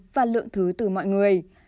và lượng thứ từ mọi người